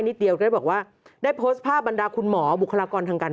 เดียวก็ได้บอกว่าได้โพสต์ภาพบรรดาคุณหมอบุคลากรทางการ